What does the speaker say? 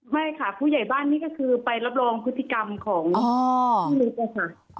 ไม่ค่ะผู้ใหญ่บ้านนี่ก็คือไปรับรองพฤติกรรมของพี่นิดนะคะ